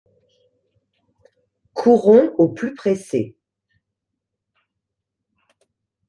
Courons au plus pressé.